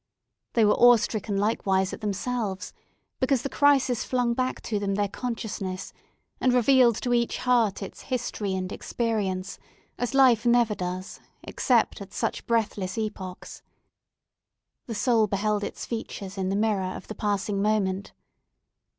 They were awe stricken likewise at themselves, because the crisis flung back to them their consciousness, and revealed to each heart its history and experience, as life never does, except at such breathless epochs. The soul beheld its features in the mirror of the passing moment.